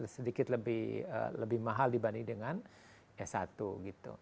sedikit lebih mahal dibanding dengan s satu gitu